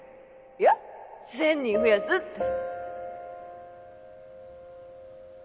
いや１０００人増やすって